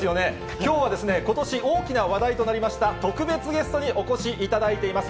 きょうはですね、ことし大きな話題となりました特別ゲストにお越しいただいています。